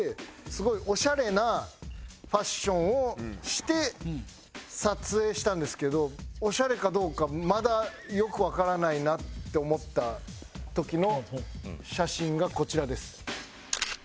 すごいオシャレなファッションをして撮影したんですけどオシャレかどうかまだよくわからないなって思った時の写真がこちらです。